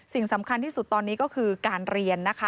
สิ่งสำคัญที่สุดตอนนี้ก็คือการเรียนนะคะ